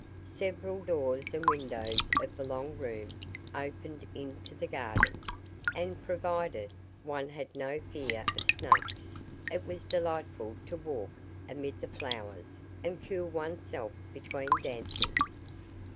Several doors and windows of the long room opened into the garden, and, provided one had no fear of snakes, it was delightful to walk amid the flowers and cool oneself between dances.